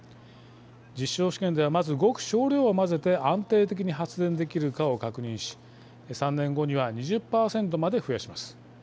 実証試験ではまず、ごく少量を混ぜて安定的に発電できるかを確認し３年後には２０％まで増やします。